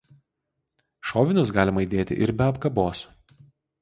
Šovinius galima įdėti ir be apkabos.